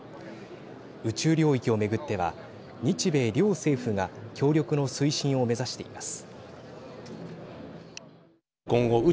宇宙領域を巡っては日米両政府が協力の推進を目指しています。